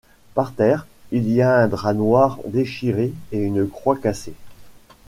Par terre, il y a un drap noir déchiré et une croix cassée.